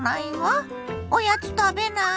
おやつ食べないの？